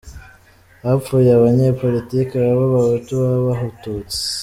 Hapfuye abanyepolitiki, baba abahutu baba abatutsi.